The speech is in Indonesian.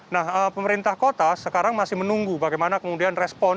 nah pemerintah kota sekarang masih menunggu bagaimana kemudian respon